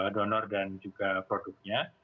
donor dan juga produknya